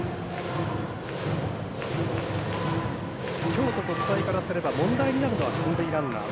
京都国際からすれば問題になるのは三塁ランナー。